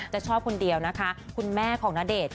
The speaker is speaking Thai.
จะชอบคนเดียวนะคะคุณแม่ของณเดชน์